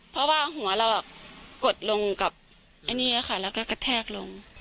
เพราะว่าหัวเรากดลงกับอันนี้ค่ะแล้วก็กระแทกลง